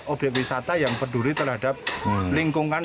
obyek wisata yang peduli terhadap lingkungan